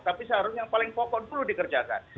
tapi seharusnya yang paling pokok perlu dikerjakan